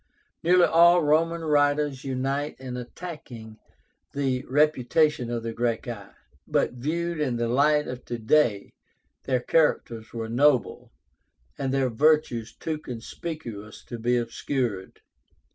Nearly all Roman writers unite in attacking the reputation of the Gracchi; but viewed in the light of to day their characters were noble, and their virtues too conspicuous to be obscured.